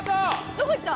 どこ行った？